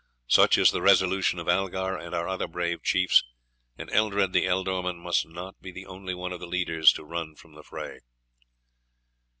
Such is the resolution of Algar and our other brave chiefs, and Eldred the ealdorman must not be the only one of the leaders to run from the fray."